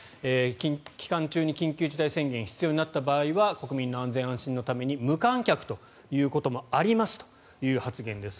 期間中に緊急事態宣言が必要になった場合は国民の安全安心のために無観客ということもありますという発言です。